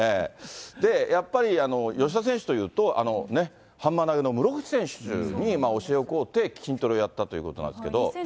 やっぱり、吉田選手というと、ハンマー投げの室伏選手に教えをこうて筋トレをやったということ